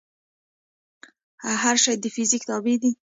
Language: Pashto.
هر شی د فزیک تابع دی.